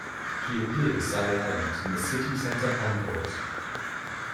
She appeared as Sally Adams in the City Center Encores!